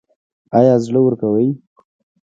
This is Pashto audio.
ایا زړه ورکوئ؟